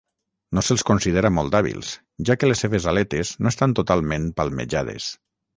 No se'ls considera molt hàbils, ja que les seves aletes no estaven totalment palmejades.